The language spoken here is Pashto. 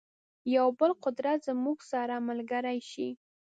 یو بل قدرت زموږ سره ملګری شي.